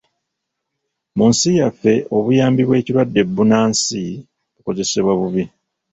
Mu nsi yaffe, obuyambi bw'ekirwadde bbunansi bukozesebwa bubi.